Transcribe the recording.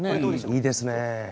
いいですね。